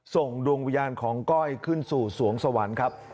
ส่งดวงวิญญาณของก้อยขึ้นสู่สวงสวรรค์ครับ